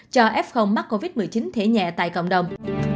cho f mắc covid một mươi chín thể nhẹ tại cộng đồng